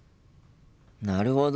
なるほど。